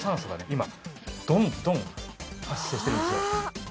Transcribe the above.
今どんどん発生してるんですよ。